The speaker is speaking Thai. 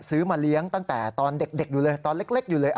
ซื้อมาเลี้ยงตั้งแต่ตอนเด็กอยู่เลยตอนเล็กอยู่เลย